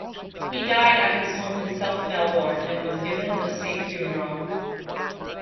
He died at his home in South Melbourne and was given a state funeral.